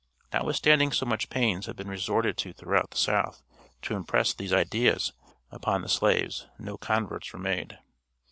Notwithstanding so much pains had been resorted to throughout the South to impress these ideas upon the slaves, no converts were made.